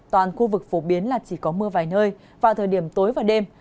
toàn khu vực phổ biến là chỉ có mưa vài nơi vào thời điểm tối và đêm